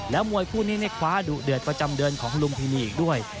มวยคู่นี้คว้าดุเดือดประจำเดือนของลุมพินีอีกด้วย